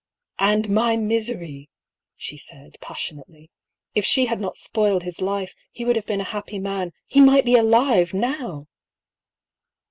"And — ^my misery!" she said, passionately. "If she had not spoiled his life, he would have been a happy man — he might be alive, now